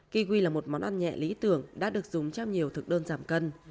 kiwi là một món ăn nhẹ lý tưởng đã được dùng trong nhiều thực đơn giảm cân